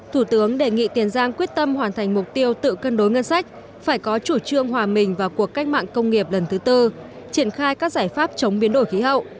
thủ tướng đề nghị tiền giang quyết tâm hoàn thành mục tiêu tự cân đối ngân sách phải có chủ trương hòa mình vào cuộc cách mạng công nghiệp lần thứ tư triển khai các giải pháp chống biến đổi khí hậu